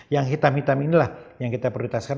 yang hitam hitam inilah yang kita prioritaskan